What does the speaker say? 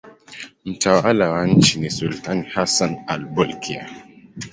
Mtawala wa nchi ni sultani Hassan al-Bolkiah.